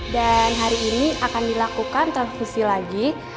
dan hari ini akan dilakukan transfusi lagi